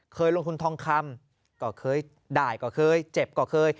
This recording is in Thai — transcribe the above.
เคยลงทุนทองคำก็เคยได้ก็เคยเจ็บก็เคย